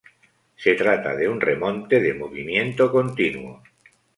Se trata de un remonte de movimiento continuo.